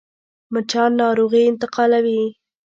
مچان ناروغي انتقالوي